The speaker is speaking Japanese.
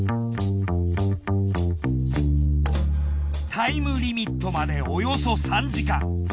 タイムリミットまでおよそ３時間。